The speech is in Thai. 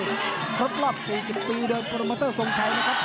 รถรอบ๔๐ปีเดินปลูโรเมอเตอร์สงชัยนะครับ